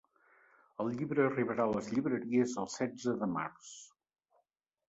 El llibre arribarà a les llibreries el setze de març.